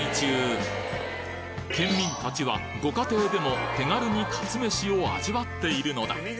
県民たちはご家庭でも手軽にかつめしを味わっているのだ